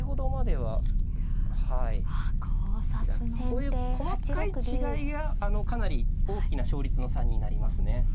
こういう細かい違いがかなり大きな勝率の差になりますね。